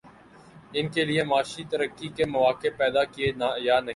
ان کے لیے معاشی ترقی کے مواقع پیدا کیے یا نہیں؟